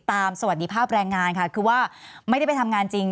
สวัสดีภาพแรงงานค่ะคือว่าไม่ได้ไปทำงานจริง